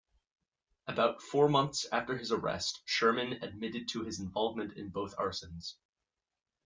About four months after his arrest Sherman admitted to his involvement in both arsons.